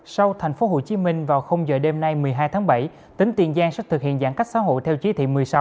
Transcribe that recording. sau tp hcm vào giờ đêm nay một mươi hai tháng bảy tỉnh tiền giang sẽ thực hiện giãn cách xã hội theo chí thị một mươi sáu